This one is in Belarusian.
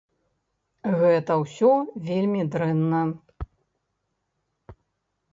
Гэта ўсё вельмі дрэнна.